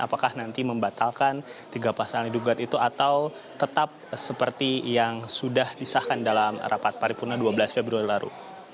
apakah nanti membatalkan tiga pasal yang digugat itu atau tetap seperti yang sudah disahkan dalam rapat paripurna dua belas februari lalu